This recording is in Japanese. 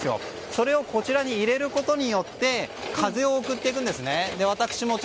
それをこちらに入れることにより風を送っていくんですね。